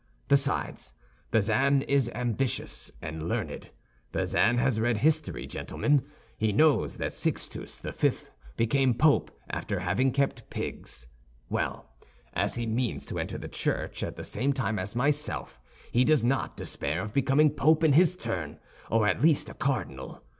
Besides, Bazin is ambitious and learned; Bazin has read history, gentlemen, he knows that Sixtus the Fifth became Pope after having kept pigs. Well, as he means to enter the Church at the same time as myself, he does not despair of becoming Pope in his turn, or at least a cardinal.